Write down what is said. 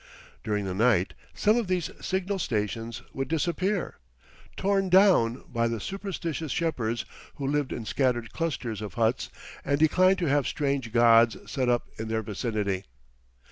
During the night some of these signal stations would disappear, torn down by the superstitious shepherds who lived in scattered clusters of huts and declined to have strange gods set up in their vicinity.